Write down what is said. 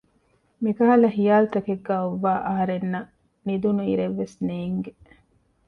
މިކަހަލަ ހިޔާލު ތަކެއްގައި އޮއްވައި އަހަރެންނަށް ނިދުން އިރެއްވެސް ނޭންގެ